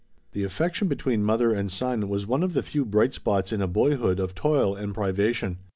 The affection between mother and son was one of the few bright spots in a boyhood of toil and privation.